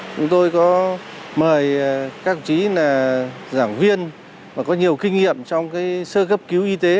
chúng tôi có mời các đồng chí là giảng viên và có nhiều kinh nghiệm trong sơ cấp cứu y tế